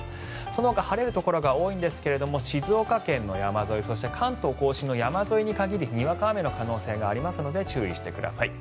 そのほか、晴れるところが多いんですが静岡県山沿いそして関東・甲信の山沿いに限りにわか雨の可能性がありますので注意してください。